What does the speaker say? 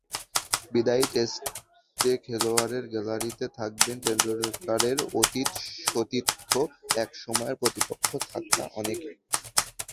বিদায়ী টেস্টে ওয়াংখেড়ের গ্যালারিতে থাকবেন টেন্ডুলকারের অতীত সতীর্থ, একসময়ের প্রতিপক্ষে থাকা অনেকে।